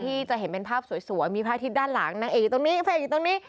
ที่จะเห็นเป็นภาพสวยมีพระอาทิตย์ด้านหลังนางเอกอยู่ตรงนี้พระเอกอยู่ตรงนี้